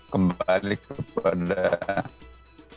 kembali ke dalam